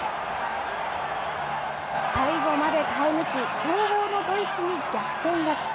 最後まで耐え抜き、強豪のドイツに逆転勝ち。